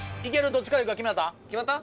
どっちからいくか決まった？